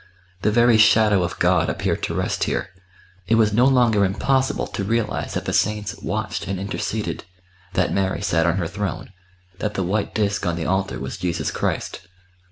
The very shadow of God appeared to rest here; it was no longer impossible to realise that the saints watched and interceded, that Mary sat on her throne, that the white disc on the altar was Jesus Christ.